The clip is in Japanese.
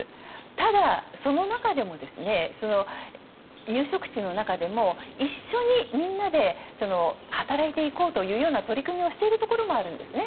ただ、その中でも入植地の中でも、一緒にみんなで働いていこうという取り組みをしているところもあるんですね。